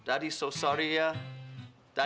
ayah sangat minta maaf ya